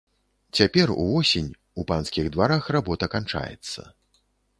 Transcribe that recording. Цяпер, увосень, у панскіх дварах работа канчаецца.